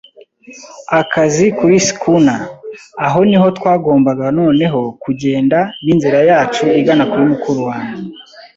akazi kuri schooner. Aho niho twagombaga noneho kugenda, n'inzira yacu, igana kuri mukuru wanjye